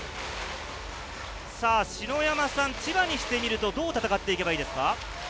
篠山さん、千葉にしてみると、どう戦っていけばいいですか？